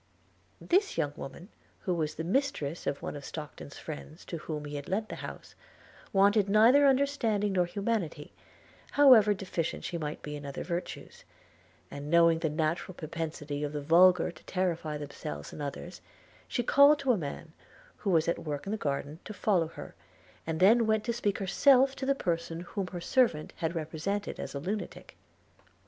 This young woman, who was the mistress of one of Stockton's friends to whom he had lent the house, wanted neither understanding nor humanity, however deficient she might be in other virtues; and knowing the natural propensity of the vulgar to terrify themselves and others, she called to a man, who was at work in the garden, to follow her, and then went to speak herself to the person whom her servant had represented as a lunatic.